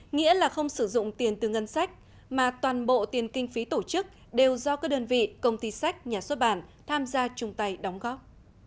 nghĩa là không sử dụng tiền từ ngân sách mà toàn bộ tiền kinh phí tổ chức đều do các đơn vị công ty sách nhà xuất bản tham gia chung tay đóng góp